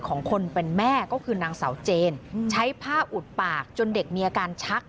ของคนเป็นแม่ก็คือนางสาวเจนใช้ผ้าอุดปากจนเด็กมีอาการชัก